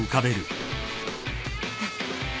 あっ。